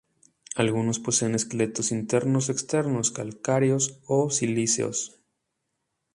Algunos poseen esqueletos internos o externos calcáreos o silíceos.